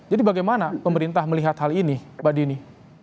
jadi bagaimana pemerintah melihat hal ini mbak dini